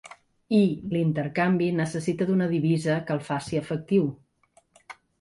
I l’intercanvi necessita d’una divisa que el faci efectiu.